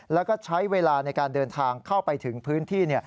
แล้วก็ใช้เวลาในการเดินทางเข้าไปถึงพื้นที่